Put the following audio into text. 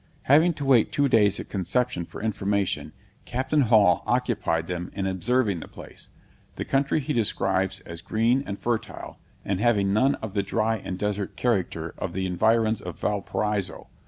Having to wait two days at Conception for information, Captain Hall occupied them in observing the place; the country he describes as green and fertile, and having none of the dry and desert character of the environs of Valparaiso.